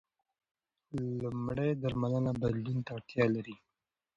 لومړنۍ درملنه بدلون ته اړتیا لري.